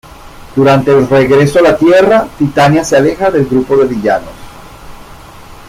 Durante el regreso a la Tierra, Titania se aleja del grupo de villanos.